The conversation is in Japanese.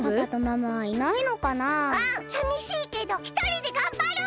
さみしいけどひとりでがんばる！